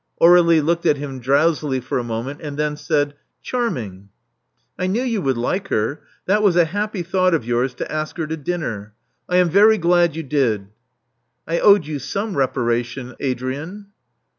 Aur^lie looked at him dreamily for a moment, and then said, ''Charming." I knew you would like her. That was a happy thought of yours to ask her to dinner. I am very glad you did." I owed you some reparation, Adrian."